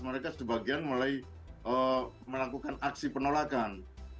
mereka sebagian mulai melakukan aksi penolakan